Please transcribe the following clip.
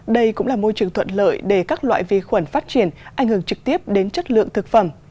đây cũng là môi trường thuận lợi để các loại vi khuẩn phát triển ảnh hưởng trực tiếp đến chất lượng thực phẩm